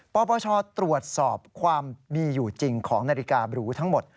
ปปชตรวจสอบความมีอยู่จริงของนาฬิกาบรูทั้งหมด